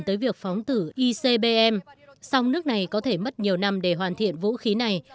tới việc phóng thử icbm song nước này có thể mất nhiều năm để hoàn thiện vũ khí này